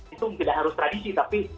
itu tidak harus tradisi tapi